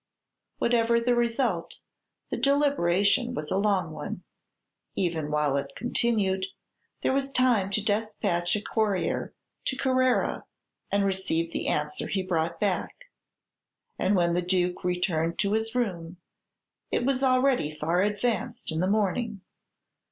Whatever the result, the deliberation was a long one. Even while it continued, there was time to despatch a courier to Carrara, and receive the answer he brought back; and when the Duke returned to his room, it was already far advanced in the morning.